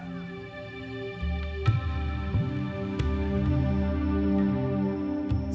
sebelum bermain kita tetap mencoba